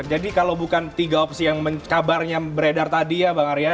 jadi kalau bukan tiga opsi yang kabarnya beredar tadi ya bang arya